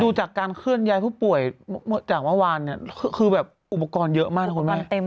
ดูจากการเคลื่อนย้ายผู้ป่วยจากเมื่อวานเนี่ยคือแบบอุปกรณ์เยอะมากนะคุณแม่